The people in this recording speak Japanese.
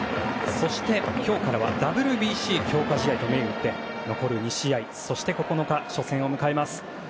そして今日からはＷＢＣ強化試合と銘打って残る２試合９日、初戦を迎えます。